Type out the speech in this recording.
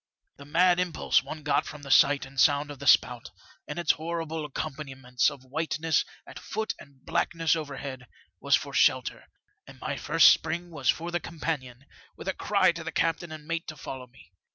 The mad impulse one got from the sight and sound of the spout, and its horrible accompaniments of whiteness at foot and blackness overhead, was for shelter, and my first spring was for the companion, with a cry to the captain and mate to follow me.